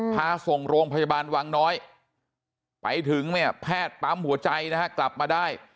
พาส่งโรงพยาบาลวังน้อยไปถึงเนี่ยแพทย์ปั๊มหัวใจนะฮะกลับมาได้